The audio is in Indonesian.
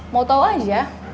mau tau aja